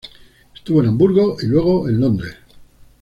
Estuvo en Hamburgo y, luego, en Londres.